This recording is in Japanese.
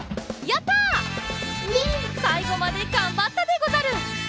さいごまでがんばったでござる！